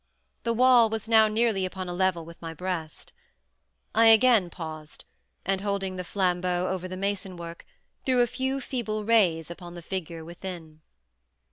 The wall was now nearly upon a level with my breast. I again paused, and holding the flambeaux over the mason work, threw a few feeble rays upon the figure within.